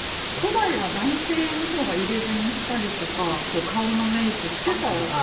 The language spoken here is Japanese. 古代は男性のほうが入れ墨したりとか顔のメイクしてたんですよ。